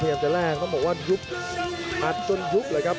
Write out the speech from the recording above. พยายามจะแลกต้องบอกว่ายุบอัดจนยุบเลยครับ